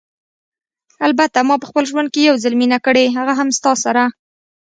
البته ما په خپل ژوند کې یو ځل مینه کړې، هغه هم ستا سره.